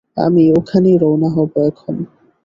আমি ওখানেই রওনা হব এখন।